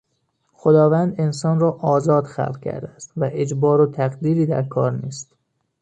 خداوند انسان را آزاد خلق کرده است و اجبار و تقدیری در کار نیست.